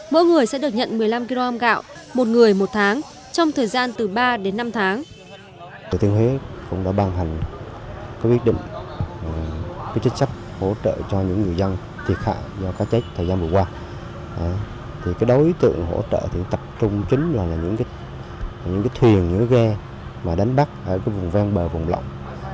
mỗi người sẽ được nhận một mươi năm kg gạo một người một tháng trong thời gian từ ba đến năm tháng